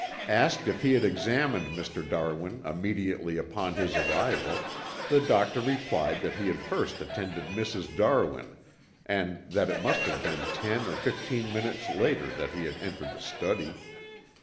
Asked if he had examined Mr. Darwin immediately upon his arrival, the doctor replied that he had first attended Mrs. Darwin and that it must have been ten or fifteen minutes later that he had entered the study.